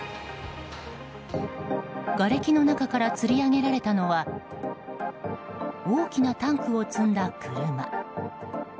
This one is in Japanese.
がれきの中からつり上げられたのは大きなタンクを積んだ車。